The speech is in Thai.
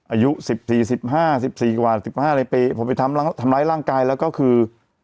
อายุ๑๔๑๕ปีผมไปทำร้ายร่างกายแล้วก็คือ